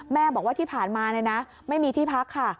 แม่บอกว่าที่ผ่านมาไม่มีที่พักค่ะ